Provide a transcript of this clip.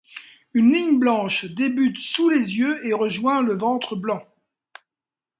Une ligne blanche débute sous les yeux et rejoint le ventre blanc.